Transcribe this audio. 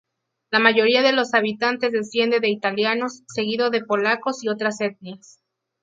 La mayoría de los habitantes descienden de italianos, seguido de polacos y otras etnias.